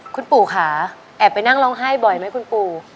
คุณปู่ค่ะแอบไปนั่งร้องไห้บ่อยไหมคุณปู่